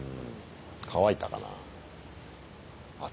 乾いたかなあ。